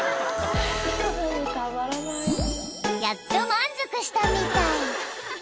［やっと満足したみたい］